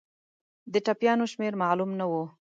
د ټپیانو شمېر معلوم نه وو.